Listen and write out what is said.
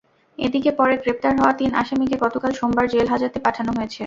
এদিকে, পরে গ্রেপ্তার হওয়া তিন আসামিকে গতকাল সোমবার জেল হাজাতে পাঠানো হয়েছে।